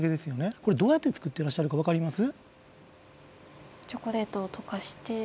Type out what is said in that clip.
これどうやって作ってらっしゃるか分かります？